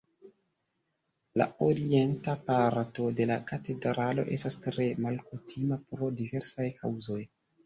La orienta parto de la katedralo estas tre malkutima pro diversaj kaŭzoj.